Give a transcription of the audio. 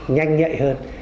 nhanh nhạy hơn